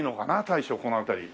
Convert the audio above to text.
大将この辺り。